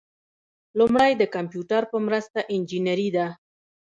لومړی د کمپیوټر په مرسته انجنیری ده.